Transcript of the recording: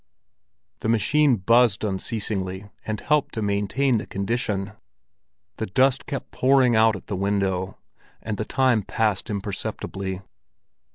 The machine buzzed unceasingly, and helped to maintain the condition; the dust kept pouring out at the window, and the time passed imperceptibly.